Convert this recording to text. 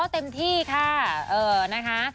อ๋อเต็มที่ค่ะเออนะคะ